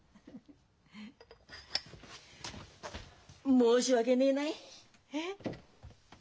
申し訳ねえない！えっ？